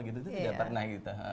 tidak pernah gitu